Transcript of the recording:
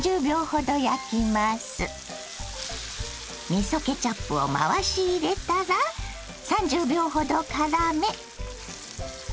肉はみそケチャップを回し入れたら３０秒ほどからめ